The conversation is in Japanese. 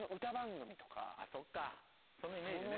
そっかそのイメージね。